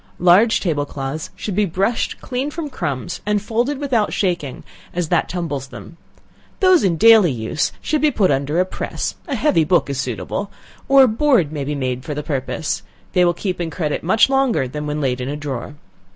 Large table cloths should be brushed clean from crumbs, and folded without shaking, as that tumbles them; those in daily use should be put under a press a heavy book is suitable, or a board may be made for the purpose; they will keep in credit much longer than when laid in a drawer.